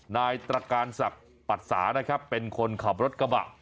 นายตรการศักดิ์ปัดสานะครับเป็นคนขับรถกระบะ